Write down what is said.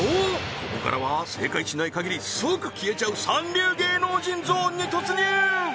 ここからは正解しない限り即消えちゃう三流芸能人ゾーンに突入